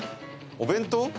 お弁当？